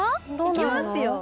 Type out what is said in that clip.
いきますよ。